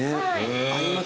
合います